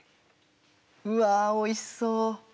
うわおいしそう。